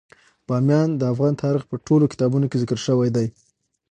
بامیان د افغان تاریخ په ټولو کتابونو کې ذکر شوی دی.